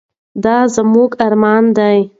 دا زموږ ارمان دی.